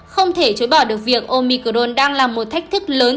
không thể chối bỏ được việc omicdon đang là một thách thức lớn